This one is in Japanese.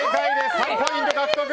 ３ポイント獲得！